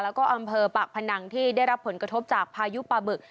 แล้วก็อำเภอปากพนังที่ได้รับผลกระทบจากพายุปลาบึก